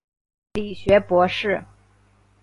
理学博士。